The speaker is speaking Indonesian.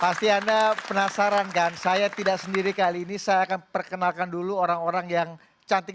pasti anda penasaran kan saya tidak sendiri kali ini saya akan perkenalkan dulu orang orang yang cantik